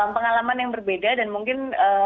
pengalaman yang berbeda dan mungkin